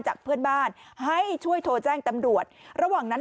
จากเพื่อนบ้านให้ช่วยโทรแจ้งตำรวจระหว่างนั้น